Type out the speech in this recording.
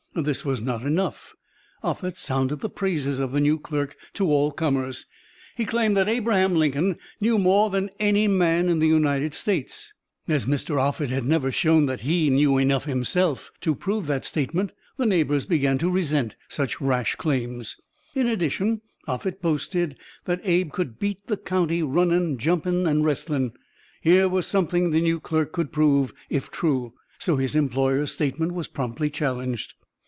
This was not enough. Offutt sounded the praises of the new clerk to all comers. He claimed that Abraham Lincoln "knew more than any man in the United States." As Mr. Offutt had never shown that he knew enough himself to prove this statement, the neighbors began to resent such rash claims. In addition, Offutt boasted that Abe could "beat the county" running, jumping and wrestling. Here was something the new clerk could prove, if true, so his employer's statement was promptly challenged.